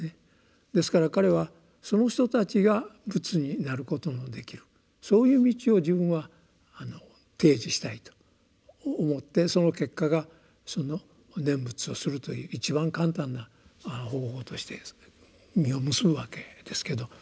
ですから彼はその人たちが仏になることもできるそういう道を自分は提示したいと思ってその結果が念仏をするという一番簡単な方法として実を結ぶわけですけど。